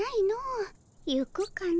行くかの。